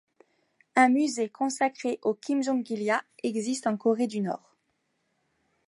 Un musée consacré aux Kimjongilia existe en Corée du Nord.